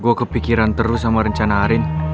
gue kepikiran terus sama rencana arin